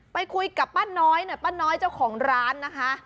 ไปคุยกับป้าน้อยเนี่ยป้าน้อยเจ้าของร้านนะคะ